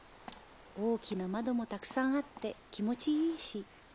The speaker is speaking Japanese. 大きな窓もたくさんあって気持ちいいし。